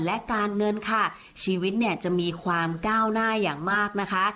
และการเงินค่ะชีวิตเนี่ยจะมีความก้าวหน้าอย่างมากนะคะ